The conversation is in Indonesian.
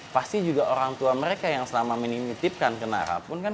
pasti juga orang tua mereka yang selama menitipkan ke nara pun kan